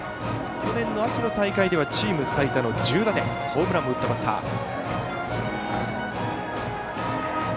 去年秋の大会ではチーム最多の１０打点ホームランも打ったバッター。